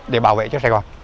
để bảo vệ cho sài gòn